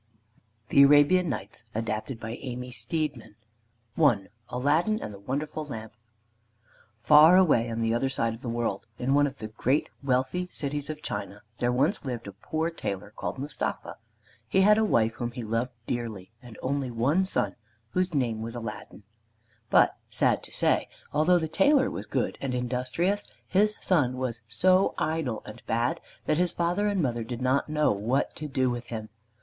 THE ARABIAN NIGHTS ADAPTED BY AMY STEEDMAN I ALADDIN AND THE WONDERFUL LAMP Far away on the other side of the world, in one of the great wealthy cities of China, there once lived a poor tailor called Mustapha. He had a wife whom he loved dearly and an only son whose name was Aladdin. But, sad to say, although the tailor was good and industrious, his son was so idle and bad that his father and mother did not know what to do with him.